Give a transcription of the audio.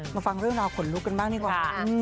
มาฟังเรื่องราวขนลุกกันมากนี่ก่อน